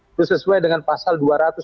itu sesuai dengan pasal dua ratus dua puluh tujuh